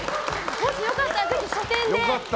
もしよかったら、ぜひ書店で。